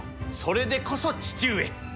それでこそ、父上。